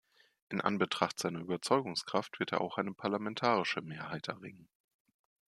In Anbetracht seiner Überzeugungskraft wird er auch eine parlamentarische Mehrheit erringen.